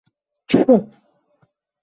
— Тфу!